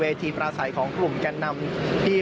มาดูบรรจากาศมาดูความเคลื่อนไหวที่บริเวณหน้าสูตรการค้า